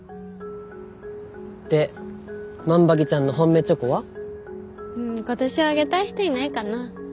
で万場木ちゃんの本命チョコは？ん今年はあげたい人いないかな。